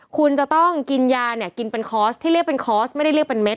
คุณจะต้องกินยาเนี่ยกินเป็นคอร์สที่เรียกเป็นคอร์สไม่ได้เรียกเป็นเม็ด